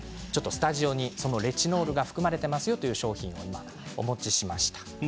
スタジオにレチノールが含まれていますよという商品をお持ちしました。